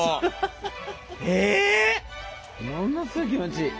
ものすごい気持ちいい。